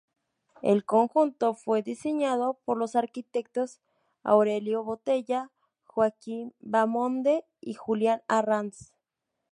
El conjunto fue diseñado por los arquitectos Aurelio Botella, Joaquín Vaamonde y Julián Arranz.